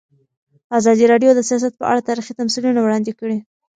ازادي راډیو د سیاست په اړه تاریخي تمثیلونه وړاندې کړي.